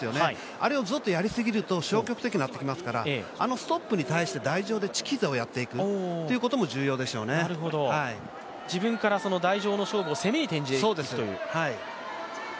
あれをずっとやりすぎると消極的になってきますから、あのストップに対して台上でチキータをやっていくということも自分から台上の勝負を攻めに転じていくという。